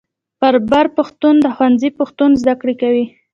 بر پښتون د ښوونځي پښتو زده کوي.